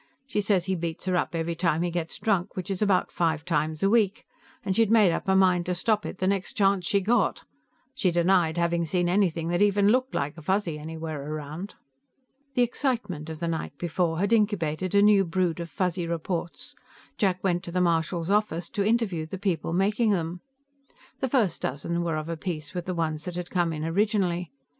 She says he beats her up every time he gets drunk, which is about five times a week, and she'd made up her mind to stop it the next chance she got. She denied having seen anything that even looked like a Fuzzy anywhere around." The excitement of the night before had incubated a new brood of Fuzzy reports; Jack went to the marshal's office to interview the people making them. The first dozen were of a piece with the ones that had come in originally.